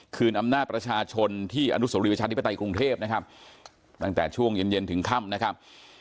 อำนาจประชาชนที่อนุสวรีประชาธิปไตยกรุงเทพนะครับตั้งแต่ช่วงเย็นเย็นถึงค่ำนะครับ